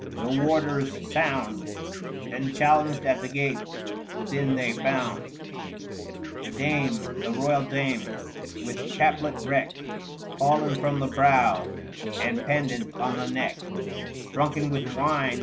No warder's sound Them challenged at the gate : within they found The dame, the royal dame, with chaplet wreck Fallen from the brow and pendent on the neck, Drunken with wine.